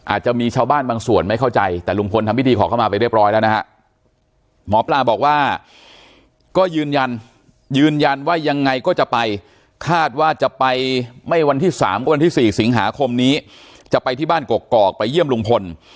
อาจจะมีชาวบ้านบางส่วนไม่เข้าใจแต่ลุงพลทำพิธีขอเข้ามาไปเรียบร้อยแล้วนะฮะหมอปลาบอกว่าก็ยืนยันยืนยันว่ายังไงก็จะไปคาดว่าจะไปไม่วันที่๓ก็วันที่๔สิงหาคมนี้จะไปที่บ้านกกอกไปเยี่ยมลุงพล